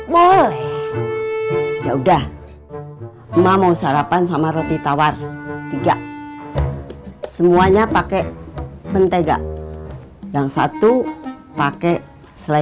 boleh ya udah emak mau sarapan sama roti tawar tiga semuanya pakai mentega yang satu pakai selai